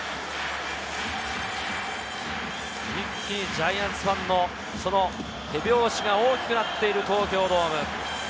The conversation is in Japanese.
一気にジャイアンツファンの手拍子が大きくなっている東京ドーム。